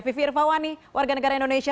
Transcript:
vivi irvawani warga negara indonesia